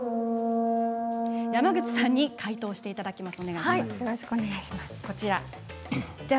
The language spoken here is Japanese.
山口さんに解答していただきます。